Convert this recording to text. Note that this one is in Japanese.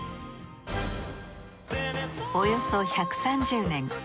およそ１３０年